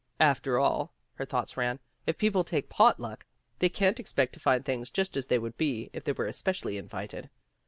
"After all," her thoughts ran, "if people take pot luck, they can't expect to find things just as they would be if they were especially invited.